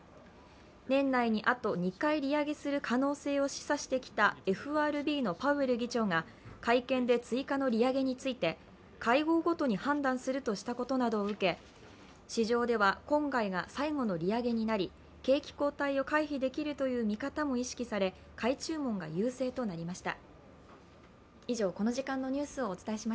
年内にあと２回利上げする可能性を示唆してきたＦＲＢのパウエル議長が会見で追加の利上げについて、会合ごとに判断するとしたことなどを受け市場では今回が最後の利上げになり景気後退を回避できるという見方も意識され買い注文が優勢となりました。